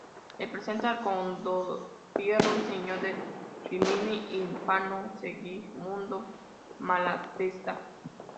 Representa al condottiero y señor de Rímini y Fano Segismundo Malatesta.